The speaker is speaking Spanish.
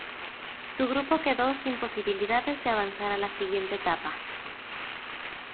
Su grupo quedó sin posibilidades de avanzar a la siguiente etapa.